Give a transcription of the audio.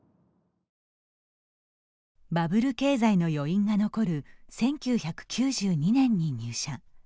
バブル経済の余韻が残る１９９２年に入社。